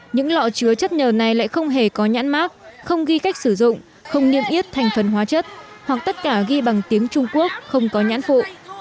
những lọ chứa chất nờ này lại không hề có nhãn mát không ghi cách sử dụng không niêm yết thành phần hóa chất hoặc tất cả ghi bằng tiếng trung quốc không có nhãn phụ